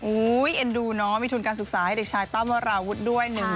เอ็นดูเนาะมีทุนการศึกษาให้เด็กชายตั้มวราวุฒิด้วย